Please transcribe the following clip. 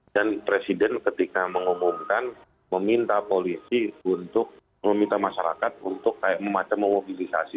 dan presiden ketika mengumumkan meminta polisi untuk meminta masyarakat untuk memacem mobilisasi